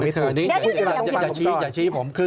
เดี๋ยวคุณศิราฯอย่าชี้ผม